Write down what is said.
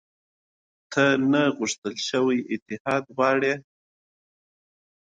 ده نه غوښتل اتحاد جوړ کړي.